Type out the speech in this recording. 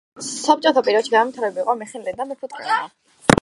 საბჭოთა პერიოდში განვითარებული იყო მეხილეობა და მეფუტკრეობა.